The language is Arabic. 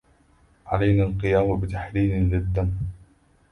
علينا القيام بتحليل للدم.